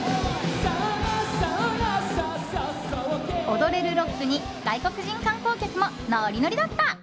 踊れるロックに外国人観光客もノリノリだった。